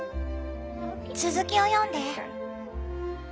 続きを読んで。